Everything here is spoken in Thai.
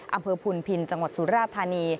อำเภอพุนพินจังหวัดสุราธานี